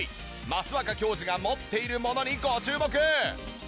益若教授が持っているものにご注目！